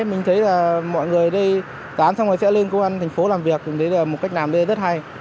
mình thấy là mọi người đây rán xong rồi sẽ lên công an thành phố làm việc mình thấy là một cách làm đây rất hay